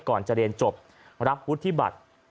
ก่อนจะเรียนจบรับวุฒิบัตร